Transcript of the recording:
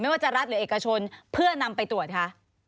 ว่าจะรัฐหรือเอกชนเพื่อนำไปตรวจคะ